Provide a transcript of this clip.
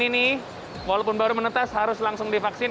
ayam ini nih walaupun baru menetas harus langsung divaksin